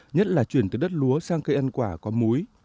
nhất là chuyển từ đất lúa sang cây ăn quả có múi